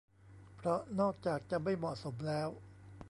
เพราะนอกจากจะไม่เหมาะสมแล้ว